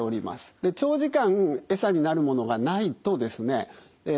長時間エサになるものがないとですねえ